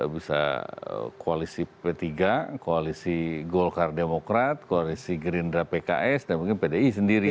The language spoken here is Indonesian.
bisa koalisi p tiga koalisi golkar demokrat koalisi gerindra pks dan mungkin pdi sendiri